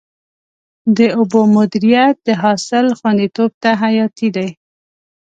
د اوبو مدیریت د حاصل خوندیتوب ته حیاتي دی.